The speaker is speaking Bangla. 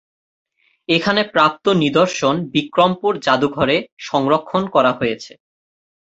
এখানে প্রাপ্ত নিদর্শন বিক্রমপুর জাদুঘরে সংরক্ষণ করা হয়েছে।